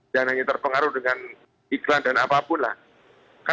dan hanya terpengaruh dengan iklan dan apa saja